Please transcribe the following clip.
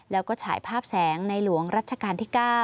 แล้วก็ฉายภาพแสงในหลวงรัชกาลที่๙